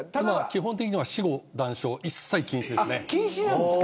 基本的には私語、談笑一切禁止です。